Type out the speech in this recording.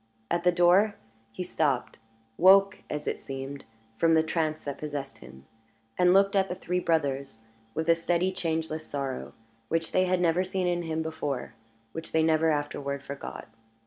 At the door he stopped woke, as it seemed, from the trance that possessed him and looked at the three brothers with a steady, changeless sorrow, which they had never seen in him before, which they never afterward forgot.